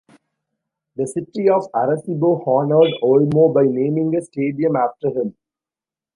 The City of Arecibo honored Olmo by naming a stadium after him.